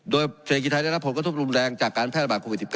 โดยเศรษฐกิจไทยได้รับผลกระทบรุนแรงจากการแพร่ระบาดโควิด๑๙